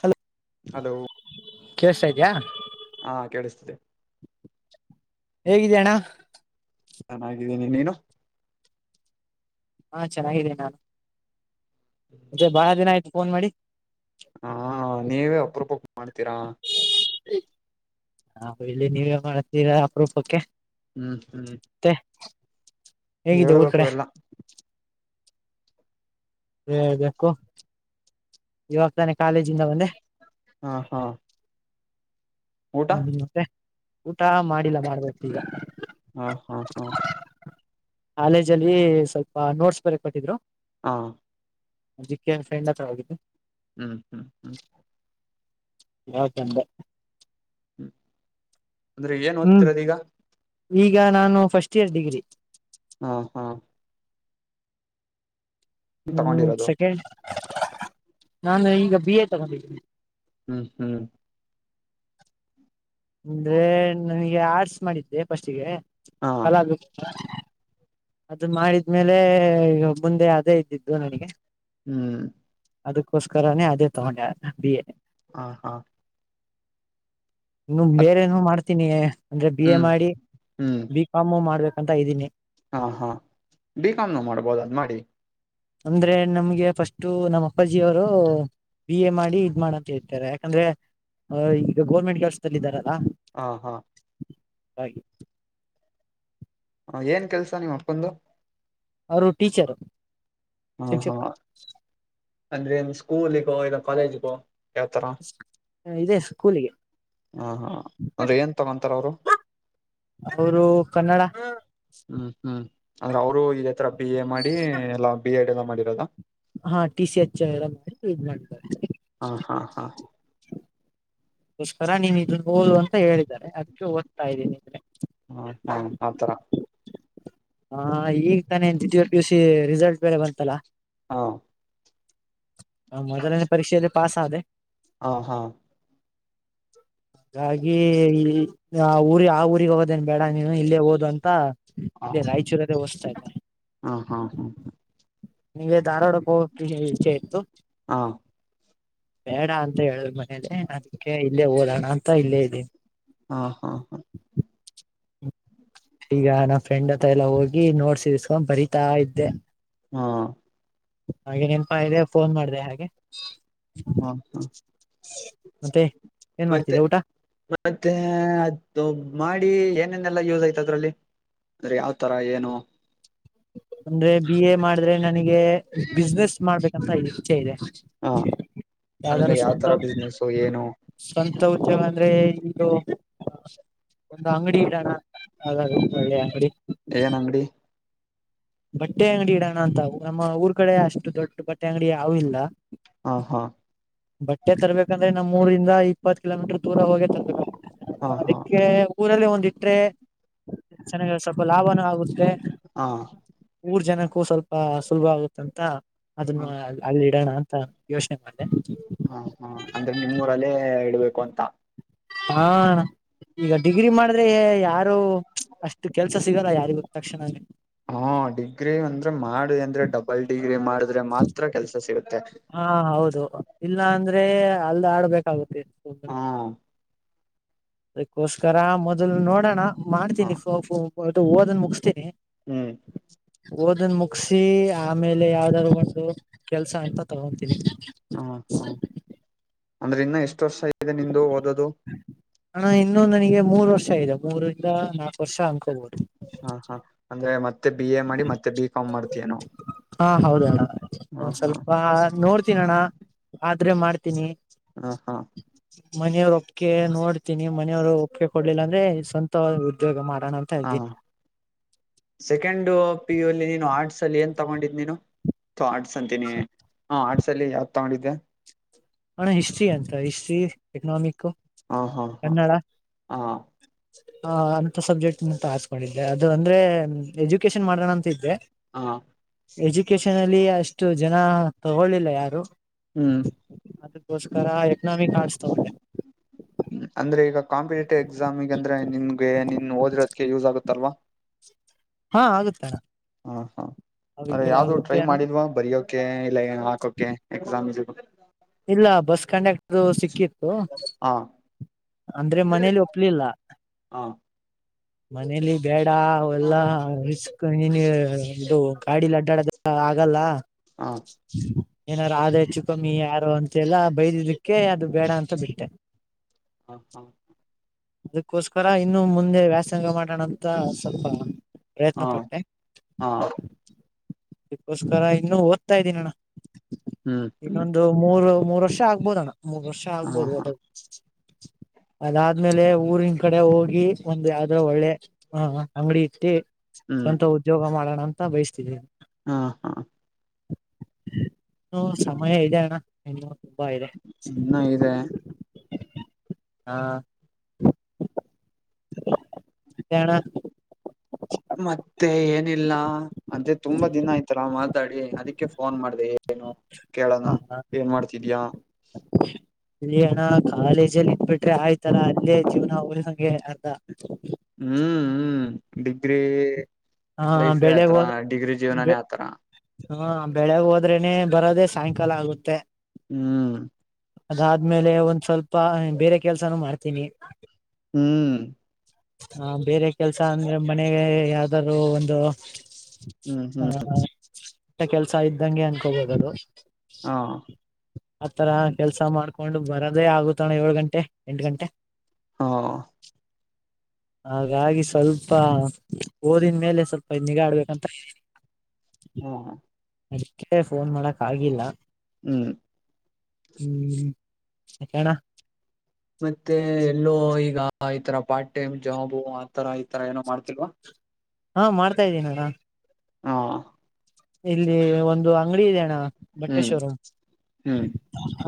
Hello. Hello ಕೇಳ್ಸ್ತಾ ಇದ್ಯಾ ಹಾ ಕೇಳಿಸ್ತದೆ. ಹೇಗಿದ್ದೀಯ ಅಣ್ಣ ಚೆನ್ನಾಗಿದ್ದೀನಿ ನೀನು. ಹಾ ಚೆನ್ನಾಗಿದೆೇನೆ ನಾನು. ಅ ಬಹಳ ದಿನ ಆಯ್ತ್ ಫೋನ್ ಮಾಡಿ. ಹಾ ನೀವೇ ಅಪರೂಪಕ್ ಮಾಡ್ತೀರಾ. ನ ಇಲ್ಲಿ ನೀವೇ ಮಾಡ್ತೀರಾ ಅಪರೂಪಕ್ಕೆ ಹ್ಮ ಹ್ಮ್ ಮತ್ತೆ ಹೇಗಿದೆ ಊರ್ ಹೇಳ್ಬೇಕು ಕಡೆ ಎಲ್ಲ ಹೇಳ್ಬೇಕು ಇವಾಗ ತಾನೆ ಕಾಲೇಜಿಂದ ಬಂದು ಹಾ ಹಾ ಊಟ ಮತ್ತೆ ಊಟ ಮಾಡಿಲ್ಲ ಮಾಡ್ಬೇಕು ಈಗ ಹಾ ಹಾ ಹಾ ಕಾಲೇಜ್ ಅಲ್ಲಿ ಸ್ವಲ್ಪ ನೋಟ್ಸ್ ಬರಿಯಾಕ್ ಕೊಟ್ಟಿದ್ರು. ಹಾ. ಅದಿಕ್ಕೆ ಫ್ರೆಂಡ್ ಹತ್ರ ಹೋಗಿದ್ದೆ ಹ್ಮ್ ಹ್ಮ್ ಹ್ಮ್. ಬಹಳ ಚಂದ. ಹ್ಮ್ ಅಂದ್ರೆ ಏನ್ ಹ್ಮ್ ಓದ್ತಿರದ ಈಗ. ಈಗ ನಾನು ಫಸ್ಟ್ ಇಯರ್ ಡಿಗ್ರಿ. ಹಾ ಹಾ. ಹ್ಮ್ ತಗೊಂಡಿರೋದು ಸೆಕೆಂಡ್ ನಾನು ಈಗ ಬಿ ಎ ತಗೊಂಡಿದ್ದೀನಿ. ಹ್ಮ್ ಹ್ಮ್. ಅಂದ್ರೆ ನನಗೆ ಆರ್ಟ್ಸ್ ಮಾಡಿದ್ದೆ ಫಸ್ಟ್ಗೆ ಹಾ [unintelligible] ಅದು ಮಾಡಿದ್ಮೇಲೆ ಇವಾಗ ಬಂದೆ ಅದೇ ಇದ್ದಿದು ನನಗೆ. ಹ್ಮ್. ಅದಕ್ಕೋಸ್ಕರನೇ ಅದೇ ತಗೊಂಡೆ ಬಿ ಎ. ಹಾ ಹಾ. ಇನು ಅದ್ ಬೇರೆೇನು ಮಾಡ್ತೀನಿ ಅಂದ್ರೆ ಬಿ ಎ ಹ್ಮ್ ಮಾಡಿ ಹ್ಮ್ ಬಿಕಾಮು ಮಾಡ್ಬೇಕಂತ ಇದ್ದೀನಿ. ಹಾ ಹಾ ಬಿ ಕಾ ಮೂ ಮಾಡ್ಬೋದ ಅದು ಮಾಡಿ. ಅಂದ್ರೆ ನಮ್ಗೆ ಫಸ್ಟ್ ನಮ್ಮ್ ಅಪ್ಪಾಜಿಯವರು. ಬಿ ಎ ಮಾಡಿ ಇದ್ ಮಾಡ ಅಂತ ಹೇಳ್ತಾರೆ ಯಾಕಂದ್ರೆ ಅವ್ರ್ ಈಗ ಗೋರ್ಮೆಂಟ್ ಕೆಲ್ಸದಲ್ಲಿ ಇದ್ದಾರಲ್ಲಾ. ಹಾ ಹಾ ಹಾಗೆ ಹ ಏನ್ ಕೆಲ್ಸ ನೀವ್ ಅಪ್ಪಂದು? ಅವರು ಟೀಚರ್. ಹಾ ಹಾ ಶಿಕ್ಷಕರು ಅಂದ್ರೆ ಸ್ಕೂಲಿಗೋ ಇಲ್ಲ ಕಾಲೇಜಿಗೋ ಯಾವ್ತರ ಹ ಇದೆ ಸ್ಕೂಲಿ ಹಾ ಹಾ ಅಂದ್ರೆ ಏನ್ ತಗೊಂತಾರೆ ಅವ್ರು? ಅವರು ಕನ್ನಡ. ಹ್ಮ್ ಹ್ಮ್ ಅಂದ್ರೆ ಅವ್ರು ಇದೇ ತರ ಬಿ ಎ ಮಾಡಿ ಎಲ್ಲಾ ಬಿ ಎಡ್ ಎಲ್ಲ ಮಾಡಿರೋದ? ಹಾ ಟಿ ಸಿ ಎಚ್ ಎಲ್ಲ ಮಾಡಿ ಇದ್ ಮಾಡ್ ಹಾ ಹಾ ಹಾ ಕ್ಕೋಸ್ಕರ ನೀವು ಇದನ್ ಓದು ಅಂತ ಹೇಳಿದ್ದಾರೆ ಅದಕ್ಕೆ ಓದ್ತಾ ಇದ್ದೀನಿ ಇದ್ [unintelligible] ಹ್ಮ ಹ್ಮ ಆಥರ ಹಾ ಈಗ ತಾನೆ ದ್ವಿತೀಯ ಪಿ ಯು ಸಿ ರಿಸಲ್ಟ್ ಬೇರೆ ಬಂತಲ್ಲಾ ಹಾ ನನ್ ಮೊದಲನೆ ಪರೀಕ್ಷೆಯಲ್ಲಿ ಪಾಸ್ ಆದೆ. ಹಾ ಹಾ ಹಾಗಾಗಿ ಈ ಆ ಊರಿಗೆ ಆ ಊರಿಗೆ ಹೋಗೋದೇನ್ ಬೇಡ ನೀನು ಇಲ್ಲೇ ಹೋದು ಅಂತ ಇಲ್ಲಿ ರಾಯಚೂರಲ್ಲೇ [unintelligible] ಇಲ್ಲ ಹ ಹಾ ಹಾ ನಿಮಗೆ ಧಾರವಾಡಕ್ಕೆ ಹೋಗಕ್ ಇಚ್ಛೆ ಇತ್ತು. ಹಾ ಬೇಡ ಅಂತ ಹೇಳಿದ್ರು ಮನೇಲಿ ಅದಕ್ಕೆ ಇಲ್ಲೇ ಓದೋಣ ಅಂತ ಇಲ್ಲೇ ಇದೀನಿ. ಹಾ ಹಾ ಹಾ ಈಗ ನಾ ಫ್ರೆಂಡ್ ಹತ್ರ ಎಲ್ಲ ಹೋಗಿ ನೋಟ್ಸ್ ಇಸ್ಕೊಂಡ್ ಬರಿತಾ ಇದ್ದೆ. ಹಾ ಹಾ ಹಾಗೆ ನೆನಪಾದೆ ಫೋನ್ ಮಾಡಿದೆ ಹಾಗೆ ಹಾ ಮತ್ತೆ ಏನ್ ಮತ್ತೆ ಮಾಡ್ತಿರಾ ಊಟಕ್ಕೆ ಮತ್ತೆ ಅದು ಮಾಡಿ ಏನೇನೆಲ್ಲಾ ಯೂಸ್ ಆಯ್ತು ಅದ್ರಲ್ಲಿ ಅಂದ್ರೆ ಯಾವ್ ತರ ಏನು? ಅಂದ್ರೆ ಬಿ ಎ ಮಾಡಿದ್ರೆ ನನಗೆ ಬಿಸ್ನೆಸ್ ಮಾಡ್ಬೇಕಂತ ಇಚ್ಛೆ ಇದೆ ಹಾ ಅಂದ್ರೆ ಯಾವದಾದ್ರು ಯಾವ ಸ್ವಂತ ತರ ಬಿಸ್ನೆಸ್ ಏನು ಸ್ವಂತ ಉದ್ಯೋಗ ಅಂದ್ರೆ ಇದು ಒಂದು ಅಂಗಡಿ ಇಡಣ ಅಂತ ಆಗ ಒಳ್ಳೆಯಂಗಡಿ ಏನ್ ಅಂಗಡಿ ಬಟ್ಟೆ ಅಂಗಡಿ ಇಡಣ ಅಂತ ನಮ್ಮ ಊರ್ ಕಡೆ ಅಷ್ಟ ದೊಡ್ಡ ಬಟ್ಟೆ ಅಂಗಡಿ ಯಾವು ಇಲ್ಲ. ಹಾ ಹಾ ಬಟ್ಟೆ ತರ್ಬೇಕಂದ್ರೆ ನಮ್ಮ್ ಊರಿಂದ ಇಪ್ಪತ್ತ ಕಿಲೋಮೀಟರ್ ದೂರ ಹೋಗೆ ತರ್ಬೇಕು ಹಾ ಹಾ ಅದೀಕ್ಕೆ ಊರಲ್ಲೇ ಒಂದ್ ಇಟ್ಟ್ರೆ ಚೆನಾಗ ಸ್ವಲ್ಪ ಲಾಭನೂ ಆಗುತ್ತೆ. ಹಾ ಊರ್ ಜನಕ್ಕೂ ಸ್ವಲ್ಪ ಸುಲಭ ಆಗುತ್ತಂತ ಅದನ್ನ ಹಾ ಅಲ್ಲ ಇಡಣ ಅಂತ ಯೋಚನೆ ಮಾಡ್ದೆ. ಹಾ ಹಾ ಅಂದ್ರೆ ನಿಮ್ಮ್ ಊರಲ್ಲೇ ಇಡ್ಬೇಕು ಅಂತ. ಹಾ ಅಣ್ಣಾ ಈಗ ಡಿಗ್ರಿ ಮಾಡದ್ರೆ ಯಾರು ಅಷ್ಟು ಕೆಲ್ಸ ಸಿಗಲ್ಲ ಯಾರಿಗು ತಕ್ಷಣನೆ. ಹಾ ಡಿಗ್ರಿ ಅಂದ್ರೆ ಮಾಡಿದಿ ಅಂದ್ರೆ ಡಬಲ್ ಡಿಗ್ರಿ ಮಾಡಿದ್ರೆ ಮಾತ್ರ ಕೆಲ್ಸ ಸಿಗುತ್ತೆ ಹಾ ಹೌದು ಇಲ್ಲ ಅಂದ್ರೆ ಅಲ್ ಆಡ್ಬೇಕಾಗುತ್ತೆ ಹಾ ಸುಮ್ಮನೆ. ಅದಕ್ಕೋಸ್ಕರ ಮೊದಲ್ ನೋಡೋಣ ಹ ಮಾಡ್ತೀನಿ ಫೋ ಪ್ಹೋ ಓದನ್ ಮುಗಿಸತೀನಿ. ಹ್ಮ್ ಓದನ್ ಮುಗಸಿ ಆಮೇಲೆ ಯಾವ್ದಾರು ಒಂದು ಕೆಲ್ಸ ಅಂತ ತೊಗೊಂತೀನಿ. ಹ್ಮ ಹ್ಮ್ ಅಂದ್ರೆ ಇನ್ನ ಎಷ್ಟ ವರ್ಷ ಇದೆ ನಿಂದು ಓದದು. ಅಣ ಇನ್ನು ನನಿಗೆ ಮೂರ್ ವರ್ಷ ಇದೆ ಮೂರಿಂದ ನಾಲ್ಕು ವರ್ಷ ಅನ್ಕೋಬಹುದು. ಹಾ ಹಾ ಅಂದ್ರೆ ಮತ್ ಮತ್ತೆ ಬಿ ಎ ಮಾಡಿ ಮತ್ತೆ ಬಿ ಕಾಮ್ ಮಾಡ್ತಿ ಏನೋ ಹಾ ಹ ಹ್ಮ. ನೋಡ್ತೀನ ಅಣ್ಣ ಆದ್ರೆ ಮಾಡ್ತೀನಿ. ಹಾ ಹಾ ಮನೆಯವರ ಒಪ್ಗೆ ನೋಡ್ತೀನಿ ಮನೆಯವ್ರು ಒಪ್ಪಗೆ ಕೊಡ್ಲಿಲ್ಲ ಅಂದ್ರೆ ಸ್ವಂತ ಉದ್ಯೋಗ ಮಾಡಣ ಹಾ ಸೆಕೆಂಡು ಪಿ ಯು ಅಲ್ಲಿ ನೀನು ಆರ್ಟ್ಸ್ ಅಲ್ಲಿ ಏನ್ ತಗೊಂಡಿದ ನೀನು. ಥೂ ಆರ್ಟ್ಸ್ ಅಂತೀನಿ ಹ ಆರ್ಟ್ಸ್ ಅಲ್ಲಿ ಯಾದ ತಗೊಂಡಿದ್ದೆ. ಅಣ್ಣ ಹಿಸ್ಟ್ರಿ ಅಂತ ಹಿಸ್ಟ್ರಿ ಎಕನಾಮಿಕ್. ಹಾ ಹಾ ಹಾ ಹಾ ಹ ಅಂತ ಸಬ್ಜೆಕ್ಟ್ ಅಂತ್ ಹಾಸ್ಕೊಂಡಿದೆ ಅದು ಅಂದ್ರೆ ಎಜುಕೇಶನ್ ಮಾಡಣ ಅಂತ ಇದ್ದೆ. ಹಾ ಎಜುಕೇಶನ್ ಅಲ್ಲಿ ಅಷ್ಟು ಜನ ತಗೊಳ್ಳಿಲ್ಲ ಯಾರು. ಹ್ಮ್ ಅದಕ್ಕೋಸ್ಕರ ಎಕನಾಮಿಕ್ ಆರ್ಟ್ಸ್. ತಗೊಂಡೆ ಅಂದ್ರೆ ಈಗ ಕಾಂಪಿಟೇಟಿವ್ ಎಕ್ಸಾಮಿಗ ಅಂದ್ರೆ ನಿನ್ಗೆ ನೀನ್ ಓದಿರೋದಿಕ್ಕೆ ಯೂಸ್ ಆಗುತ್ತಲ್ವಾ. ಹಾ ಆಗುತ್ತೆ ಅಣ್ಣ. ಹಾ ಹಾ ಅಂದ್ರೆ ಅವಿಕೆಲ್ಲ ಯಾವ್ದೂ ಟ್ರೈ ಮಾಡಿಲ್ವಾ ಬರಿಯೋಕೆ ಇಲ್ಲ ಏನೋ ಹಾಕೋಕೆ ಎಕ್ಸಾಮ್ ಇ ಇಲ್ಲ ಬಸ್ ಕಂಡಕ್ಟರು ಸಿಕ್ಕಿ ಓ ಹಾ ಅಂದ್ರೆ ಮನೇಲಿ ಒಪ್ಲಿಲ್ಲ. ಹಾ ಮನೇಲಿ ಬೇಡ ಹಾ ಅವೆಲ್ಲ ರಿಸ್ಕ್ ಕ ಇನ್ನ ಇದು ಗಾಡಿಲ ಅಡ್ಡ್ಯಡಕ ಆಗಲ್ಲ. ಹ ಏನಾರ ಆದ್ರೆ ಹೆಚ್ಚು ಕಮ್ಮಿ ಯಾರು ಅಂತೆಲ್ಲ ಬೈದಿದ್ದಿಕ್ಕೆ ಅದು ಬೇಡ ಅಂತ ಬಿಟ್ಟೆ. ಹ ಹಾ ಅದಕ್ಕೋಸ್ಕರ ಇನ್ನು ಮುಂದೆ ವ್ಯಾಸಂಗ ಮಾಡಣಂತ ಸ್ವಲ್ಪ. ಪ್ರಯತ್ನ ಪಟ್ಟೆ. ಹಾ ಇದಕ್ಕೋಸ್ಕರ ಇನ್ನು ಓದ್ತಾ ಇದ್ದೀನಣ್ಣ ಹ್ಮ್ [inaudible] ಹ್ಮ್ ಇನ್ನೊಂದು ಮೂರ್ ಮೂರ್ ವರ್ಷ ಆಗ್ಬೋದ ಅಣ್ಣ ಮೂರ್ ವರ್ಷ ಹಾ ಆಗ್ಬೋದು [unintelligible] ಹಾ ಒಟ್ಟ ಅದಾದ್ಮೇಲೆ ಊರಿನ್ ಕಡೆ ಹೋಗಿ ಒಂದ ಯಾವ್ದ ಒಳ್ಳೆ. ಹಾ ಹಾ ಅಂಗಡಿ ಇಟ್ಟೆ ಹ್ಮ್ ಸ್ವಂತ ಉದ್ಯೋಗ ಮಾಡೋಣ ಅಂತ ಬಯಸ್ತಿದ್ವಿ ಹಾ ಹಾ ಹು ಸಮಯ ಇದೆ ಅಣ್ಣ [inaudible] ಇನ್ನೂ ತುಂಬಾ ಇದೆ. ಇನ್ನ ಇದೆ [unintelligible] ಹಾ [inaudible] [unintelligible] ಮತ್ತೆ ಅಣ್ಣ ಮತ್ತೆ ಏನಿಲ್ಲ ಅಂದ್ರೆ ತುಂಬಾ ದಿನ ಆಯ್ತಲ್ಲ ಮತ್ ಮಾತಾಡಿ ಅದಕ್ಕೆ ಫೋನ್ ಮಾಡ್ದ ಏನು [unintelligible] ಕೇಳಣ ಹ ಏನ್ ಮಾಡ್ತಿದ್ಯಾ. ಏ ಅಣ ಕಾಲೇಜಲ್ಲಿ ಇಟ್ಬಿಟ್ರೆ ಆಯ್ತಲ್ಲ ಅಲ್ಲೇ ಜೀವನ ಉಳದಂಗೆ ಹಂಗೆ ಅರ್ಥ ಹ್ಮ್ ಹ್ಮ ಡಿಗ್ರಿ ಹ ಲೈಫೆ ಆತರ ಡಿಗ್ರಿ ಜೀವನಾನೇ ಆತರಾ. ಹಾ ಬೆಳಗ ಹೋದ್ರೇನೆ ಬರೋದೆೇ ಸಾಯಂಕಾಲ ಆಗುತ್ತೆ. ಹ್ಮ ಅದಾದ್ಮೇಲೆ ಒಂದ್ ಸ್ವಲ್ಪ ಬೇರೆ ಕೆಲ್ಸಾನು ಮಾಡ್ತೀನಿ. ಹ್ಮ್ ಹ ಬೇರೆ ಕೆಲ್ಸ ಅಂದ್ರೆ ಮನೆಗೆ ಯಾವ್ದರ ಒಂದು [unintelligible] ಹ್ಮ್ ಹಾ ಹ್ಮ್ ಹಾ ಇಷ್ಟ ಕೆಲ್ಸ ಇದ್ದಂಗೆ ಅನ್ಕೋಬೋದ ಅದು ಹಾ ಆತರ ಕೆಲ್ಸ ಮಾಡ್ಕೊಂಡು ಬರೋದೇ ಆಗತಣ ಏಳು ಗಂಟೆ ಎಂಟ ಗಂಟೆ ಹಾ ಹಾಗಾಗಿ ಸ್ವಲ್ಪ ಓದಿನ ಮೇಲೆ ಸ್ವಲ್ಪ ನಿಗಾಡ್ಬೇಕಂತ ಹು ಹು ಅದಕ್ಕೆ ಫೋನ್ ಮಾಡಕ್ ಆಗಿಲ್ಲ ಹ್ಮ್ ಹ್ಮ್ [inaudible] ಯಕ್ಕಾನ್ನ ಮತ್ತೆ ಎಲ್ಲೋ ಈಗ ಈತರ ಪಾರ್ಟ್ ಟೈಮ್ ಜಾಬ ಆತರ ಈತರ ಏನೋ ಮಾಡ್ತಿಲ್ವಾ? ಹಾ ಮಾಡ್ತಾ ಇದ್ದೀನ ಅಣ್ಣಾ ಹಾ ಇಲ್ಲಿ ಒಂದು ಅಂಗಡಿ ಇದೆ ಅಣ್ಣಾ ಬಟ್ಟೆ ಹ್ಮ್ ಶೋರೂಮ್ ಹ್ಮ್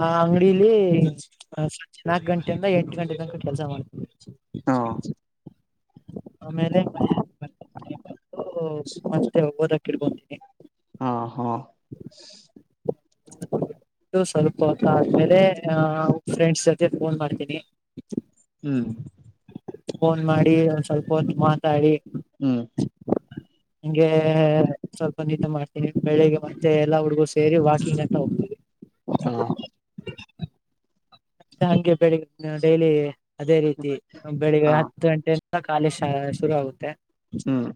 ಆ ಅಂಗಡಿಲಿ ಸಂಜೆ ನಾಕ ಗಂಟೆಯಿಂದ ಎಂಟ ಗಂಟೆ ತನಕ ಕೆಲ್ಸ ಮಾಡ್ತವಿ ಹಾ [unintelligible] ಆಮೇಲೆ [unintelligible] ಸುಮ್ಮಾ ಜೊತೆ ಓದಕ್ಕ ಇರಬಹುದು ಹಾ ಹಾ ಇದು ಸ್ವಲ್ಪ ಹೊತ್ತ ಆದ್ಮೇಲೆ ಫ್ರೆಂಡ್ಸ ಜೊತೆ ಫೋನ ಮಾಡ್ತೀನಿ. ಹ್ಮ್ ಫೋನ್ ಮಾಡಿ ಒನ ಸ್ವಲ್ಪ ಹೊತ್ತ ಮಾತಾಡಿ. ಹು [inaudible] ಹಂಗೆ ಸ್ವಲ್ಪ ನಿದ್ದೆ ಮಾಡ್ತೀನಿ ಬೆಳಿಗ್ಗೆ ಮತ್ತೆ ಎಲ್ಲ ಹುಡುಗು ಸೇರಿ ವಾಕಿಂಗ್ ಅಂತಹೋಗ್ತೆವಿ. ಹಾ ಮತ್ತೆ ಹಂಗೆ ಬೆಳಿಗ್ಗೆ ಡೈಲಿ ಅದೇ ರೀತಿ ಬೆಳಿಗ್ಗೆ ಹಾ ಹತ್ತ ಗಂಟೆ. [unintelligible] ಕಾಲೇಶ್ ಶುರು ಆಗುತ್ತೆ. ಹ್ಮ್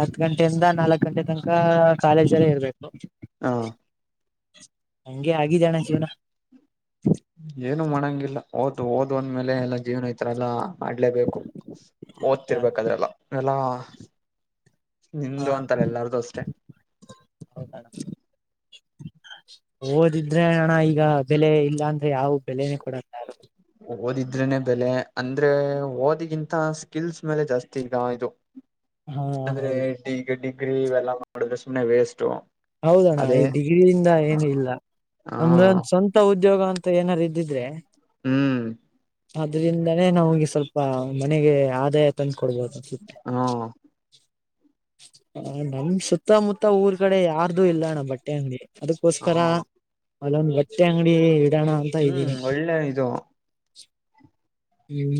ಹತ್ತರಿಂದ ನಾಲ್ಕ ಗಂಟೆ ತನಕ ಕಾಲೇಜಲ್ಲೇ ಇರಬೇಕು. ಹು [inaudible] ಹಂಗೆ ಆಗಿದೆ ಅಣ್ಣ ಜೀವನ. ಏನು ಮಾಡಂಗಿಲ್ಲ ಓದ್ ಓದ್ ಅಂದ್ಮೇಲೆ ಎಲ್ಲಾ ಜೀವನ ಇತರಲ್ಲಾ. ಮಾಡ್ಲೇಬೇಕು ಹಾ ಓದ್ತಿರ್ಬೇಕದ್ರೆಲ್ಲ ಎಲ್ಲಾ. ನಿಂದು ಅಂತಲ್ಲ ಎಲ್ಲಾರ್ದು ಅಷ್ಟೇ. ಹೌದಣ್ಣ ಓದಿದ್ರೆ ಅಣ್ಣ ಈಗ ಬೆಲೆ ಇಲ್ಲ ಅಂದ್ರೆ ಯಾವ ಬೆಲೆನೇ ಕೊಡಲ್ ಓದಿದ್ರೆನೆ ಬೆಲೆ ಅಂದ್ರೆ ಓದಿಗಿಂತ ಸ್ಕಿಲ್ಸ್ ಮೇಲೆ ಜಾಸ್ತಿ ಈಗ ಇದು ಹಾ ಅಂದ್ರೆ ಹೌದು ಈಗ ಡಿಗ್ರಿ ಇವೆಲ್ಲ ಮಾಡಿದ್ರೆ ಸುಮ್ನೆ ವೇಸ್ಟು ಹೌದಣ್ಣ ಈ ಡಿಗ್ರಿಯಿಂದ ಏನು ಇಲ್ಲ ಹ ನಮ್ದ ಒಂದ ಸ್ವಂತ ಉದ್ಯೋಗ ಅಂತ ಏನಾದಾರು ಇದ್ದಿದ್ರೆ ಹ್ಮ್ ಆದ್ರಿಂದಾನೇ ನಮ್ಗೆ ಸ್ವಲ್ಪ ಮನೆಗೆ ಆದಾಯ ತಂದು ಕೊಡ್ಬೋದುುತ್ತ ಹ್ಮ ಹ ನಮ್ಮ ಸುತ್ತಮುತ್ತ ಊರ್ ಕಡೆ ಯಾರ್ದು ಇಲ್ಲಣ್ಣ ಬಟ್ಟೆ ಅಂಗಡಿ. ಅದಕ್ಕೋಸ್ಕರ ಅಲ್ಲೊಂದು ಬಟ್ಟೆ ಅಂಗಡಿ ಇಡಣ ಅಂತ ಹ್ಮ್ ಇದ್ದೀನಿ. ಒಳ್ಳೆ ಇದು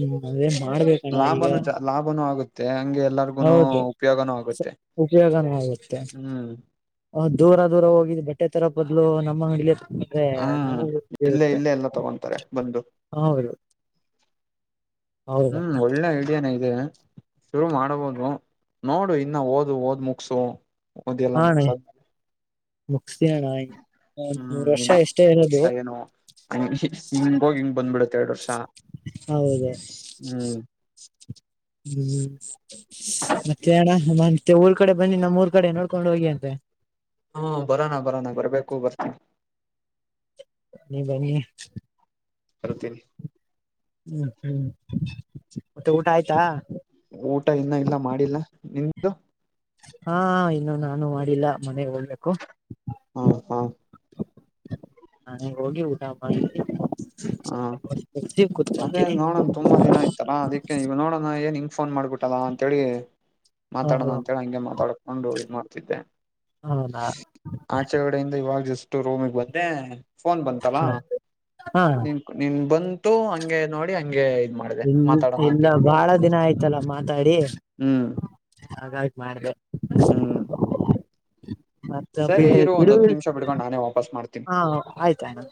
ಹು ಅದೇ ಮಾಡಬೇಕಣ್ಣ ಈಗ ಲಾಭನು ಜ ಲಾಭನೂ ಆಗುತ್ತೆ ಹಂಗೆ ಎಲ್ಲಾರ್ಗುನು ಹೌದು. ಉಪಯೋಗನು ಆಗುತ್ತೆ. ಹು ಅವ ದೂರ ದೂರ ಹೋಗಿ ಬಟ್ಟೆ ತರ ಬದ್ಲು ನಮ್ಮ ಅಂಗಡಿಯಲಿ. ಅದೇ ಹ್ಮ್ ನಮಗೂ ಇಲ್ಲೇ ಇರುತ್ತೆ ಇಲ್ಲೇ ಎಲ್ಲ ತಗೊಂತಾರೆ ಬಂದು ಹೌದು. ಹೌದ ಹು ಒಳ್ಳೆ ಐಡಿಯಾನೆ ಇದೆ. ಶುರು ಮಾಡಬಹುದು ನೋಡು ಇನ್ನ ಓದು ಓದ್ ಮುಗಸು ಓದ್ ಎಲ್ಲ ಮುಗಸಾದ ಮೇಲೆ ಮುಗ್ಸಿ ಅಣ್ಣಾ ಇನ್ ಒಂದ ಮೂರು ವರ್ಷ ಎಷ್ಟೇ ಇರೋದು. ನೋ ಇಹಿ ಹಿಂಗ ಹೋಗಿ ಹಿಂಗ್ ಬಂದ್ ಬಿಡುತ್ತೆ ಎರಡ್ ವರ್ಷ. ಹೌದ ಹ್ಮ್ ಹು ಮತ್ತೆಣ ಮತ್ತೆ ಊರ್ ಕಡೆ ಬನ್ನಿ ನಮ್ಮಊರ್ ಕಡೆ ನೋಡ್ಕೊಂಡು ಹೋಗಿ ಅಂತೆ ಹ್ಮ ಬರೋನ ಬರೋನ ಬರ್ಬೇಕು ಬರ್ತೀನಿ ನೀ ಬನ್ನಿ ಬರ್ತೀನಿ ಹ್ಮ್ ಹ್ಮ್ ಮತ್ತೆ ಊಟ ಆಯ್ತಾ ಊಟ ಇನ್ನ ಇಲ್ಲ ಮಾಡಿಲ್ಲ ನಿಮ್ಮದು ಹಾ ಇನ್ನು ನಾನು ಮಾಡಿಲ್ಲ ಮನೆ ಹೋಗಬೇಕು ಹ ಹಾ ಮನೆಗೆ ಹೋಗಿ ಊಟ ಮಾಡಿ [inaudible] ಹಾ ಅದೇ ಕುತ್ಕೊಂತೀನಿ ನೋಡಣ ತುಂಬಾ ದಿನ ಆಯ್ತಾಲಾ ಅದಕ್ ಈವಗ ನೋಡಣ ಏನ್ ಹಿಂಗ ಫೋನ್ ಮಾಡ್ಬಿಟಲ್ಲಾ ಅಂತ ಹೇಳಿ ಮಾತಾಡೋಣ ಹ ಅಂತೇಳಿ ಹಂಗೆ ಮಾತಾಡ್ಕೊಂಡು ಇನ್ ಮಾಡ್ತಿದ್ದೆ ಹೌದಾ ಆಚೆಗಡೆಯಿಂದ ಇವಾಗ ಜಸ್ಟ ರೂಮಿಗೆ ಬಂದೆ ಫೋನ್ ಬಂತಲ್ಲ ಹ್ಮ ನೀನ್ ಬಂತು ಹಂಗೆ ನೋಡಿ ಹಂಗೆ ಇದ್ ಮಾಡ ಇ ಇಲ್ಲ ಬಾಳ ದಿನ ಆಯ್ತಲ್ಲ ಮಾತಾಡಿ ಹ್ಮ್ ಹಾಗಾಗಿ ಮಾಡ್ದೆ ಹ್ಮ್ [unintelligible] ಮತ್ತ ಸರಿ ಇರು ಒಂದ್ ಹತ್ತು ನಿಮಿಷ ಬಿಡ್ಕೊಂಡು ನಾನೇ ವಾಪಸ್ ಮಾಡ್ತೀನಿ ಹಾ ಆಯ್ತಾಯ್ನು